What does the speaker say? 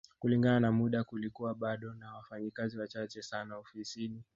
Kulingana na muda kulikuwa bado na wafanyakazi wachache sana ofisini